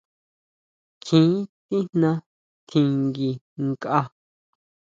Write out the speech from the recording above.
Kjín tijna tjinguinkʼa.